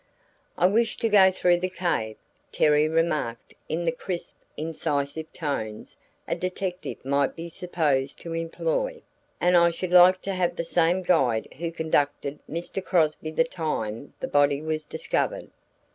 "I wish to go through the cave," Terry remarked in the crisp, incisive tones a detective might be supposed to employ, "and I should like to have the same guide who conducted Mr. Crosby the time the body was discovered."